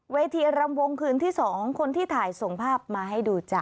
รำวงคืนที่๒คนที่ถ่ายส่งภาพมาให้ดูจ้ะ